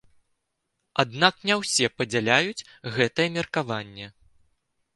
Аднак не ўсе падзяляюць гэтае меркаванне.